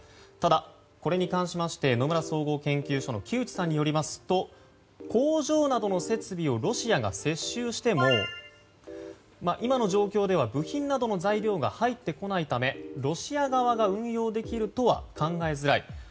ただ、これに関しまして野村総合研究所の木内さんによりますと工場などの設備をロシアが接収しても今の状況では部品などの材料が入ってこないためロシア側が運用できるとは考えづらい。